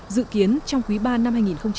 dự kiến trong quý ba năm hai nghìn một mươi chín